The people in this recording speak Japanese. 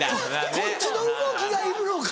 こっちの動きがいるのか